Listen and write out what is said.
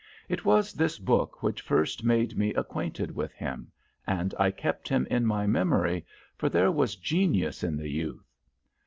It was this book which first made me acquainted with him, and I kept him in my memory, for there was genius in the youth.